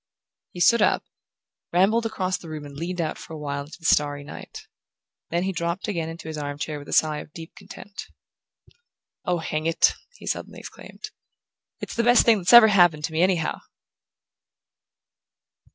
He stood up, rambled across the room and leaned out for a while into the starry night. Then he dropped again into his armchair with a sigh of deep content. "Oh, hang it," he suddenly exclaimed, "it's the best thing that's ever happened to me, anyhow!"